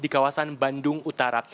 kawasan bandung utara